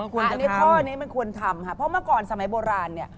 ข้อนี้มันควรทำเพราะเมื่อก่อนสมัยโบราณ